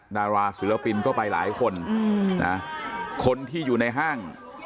ดาราศิลปินก็ไปหลายคนนะคนที่อยู่ในห้าง